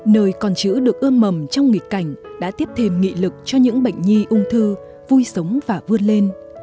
nơi con chữ được ươm mầm trong nghịch cảnh đã tiếp thêm nghị lực cho những bệnh nhi ung thư vui sống và vươn lên